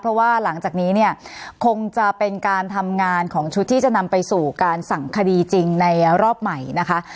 เพราะว่าหลังจากนี้เนี่ยคงจะเป็นการทำงานของชุดที่จะนำไปสู่การสั่งคดีจริงในรอบใหม่นะคะ